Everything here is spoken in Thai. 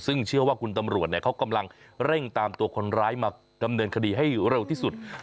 ซึ่งเชื่อว่าคุณตำรวจเขากำลังเร่งตามตัวคนร้ายมาดำเนินคดีให้เร็วที่สุด